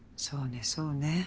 そうねそうね。